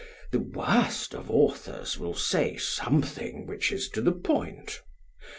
The worst of authors will say something which is to the point.